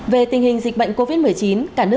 về tình hình dịch bệnh covid một mươi chín